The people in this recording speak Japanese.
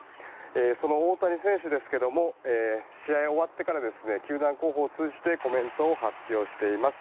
その大谷選手ですが試合が終わってから球団広報を通じてコメントを発表しています。